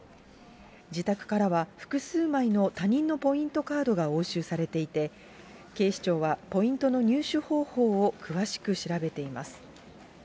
自宅からは、複数枚の他人のポイントカードが押収されていて、警視庁は、ポイントの入手方法を詳しく調べています。